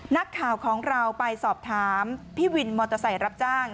นักข่าวของเราไปสอบถามพี่วินมอเตอร์ไซค์รับจ้าง